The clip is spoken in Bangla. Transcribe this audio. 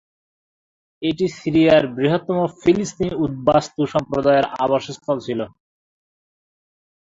এটি সিরিয়ার বৃহত্তম ফিলিস্তিনি উদ্বাস্তু সম্প্রদায়ের আবাসস্থল ছিল।